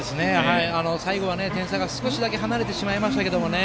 最後は点差が少しだけ離れてしまいましたけどね